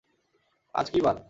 আজ কী বার?